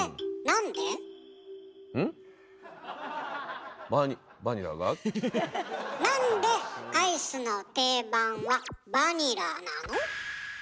なんでアイスの定番はバニラなの？